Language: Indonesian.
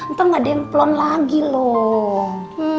ntar gak dimplon lagi loh